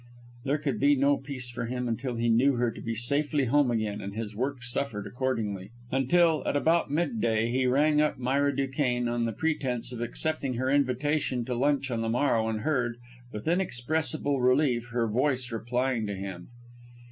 There could be no peace for him until he knew her to be safely home again, and his work suffered accordingly; until, at about midday, he rang up Myra Duquesne, on the pretence of accepting her invitation to lunch on the morrow, and heard, with inexpressible relief, her voice replying to him.